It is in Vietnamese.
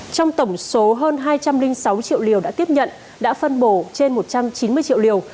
trong tổng số hơn hai trăm linh sáu triệu liều đã tiếp nhận đã phân bổ trên một trăm chín mươi triệu liều